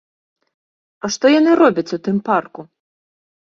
А што яны робяць у тым парку?